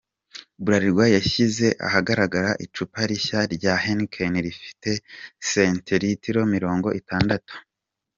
Bralirwa yashyize ahagaragara icupa rishya rya Heineken rifite sentilitiro Mirongo Intandatu